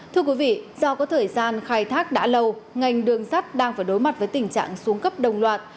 thưa quý vị do có thời gian khai thác đã lâu ngành đường sắt đang phải đối mặt với tình trạng xuống cấp đồng loạt